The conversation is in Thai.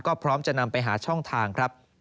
ก็พร้อมจะนำไปหาช่องทางครับ